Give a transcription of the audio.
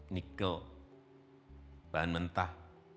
nickel bahan mentah